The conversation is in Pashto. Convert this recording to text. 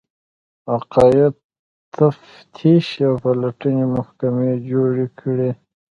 عقایدو تفتیش او پلټنې محکمې جوړې کړې